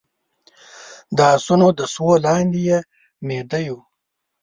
د اسونو د سوو لاندې يې ميده يو